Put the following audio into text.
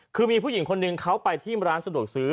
คือมีผู้หญิงคนหนึ่งเขาไปที่ร้านสะดวกซื้อ